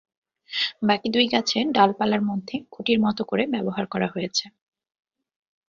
বাকি দুই গাছে ডালপালার মধ্যে খুঁটির মতো করে ব্যবহার করা হয়েছে।